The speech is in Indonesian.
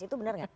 itu benar gak